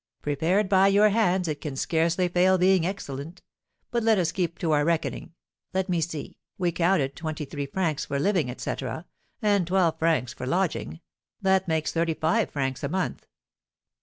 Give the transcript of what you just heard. "Prepared by your hands, it can scarcely fail being excellent; but let us keep to our reckoning. Let me see, we counted twenty three francs for living, etc., and twelve francs for lodging; that makes thirty five francs a month."